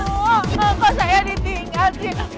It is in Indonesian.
kok saya ditinggal sih